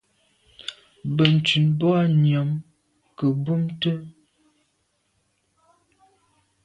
Benntùn boa nyàm nke mbùnte.